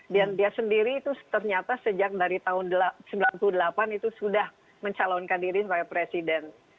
dan dia sendiri itu ternyata sejak dari tahun sembilan puluh delapan itu sudah mencalonkan diri sebagai presiden